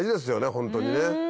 ホントにね。